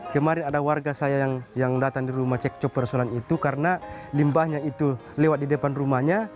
kemarin ada warga saya yang datang di rumah cekcok persoalan itu karena limbahnya itu lewat di depan rumahnya